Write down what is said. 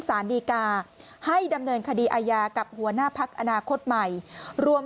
สารดีกาให้ดำเนินคดีอาญากับหัวหน้าพักอนาคตใหม่รวม